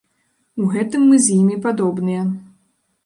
У гэтым мы з імі падобныя.